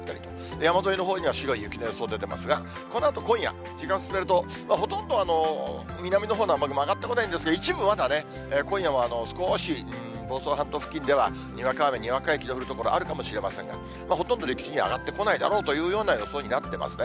山沿いのほうには白い雪の予想出てますが、このあと今夜、時間進めると、ほとんど南のほうには雨雲上がってこないんですが、一部まだね、今夜も少し、房総半島付近ではにわか雨、にわか雪の降る所あるかもしれませんが、ほとんど陸地には上がってこないだろうというような予想になってますね。